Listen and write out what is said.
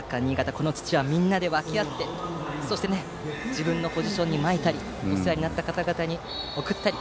この土はみんなで分け合って自分のポジションにまいたりお世話になった方々に贈ったり。